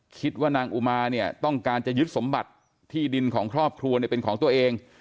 คิดว่านางอุมาเนี่ยต้องการจะยึดสมบัติที่ดินของครอบครัวเนี่ยเป็นของตัวเอง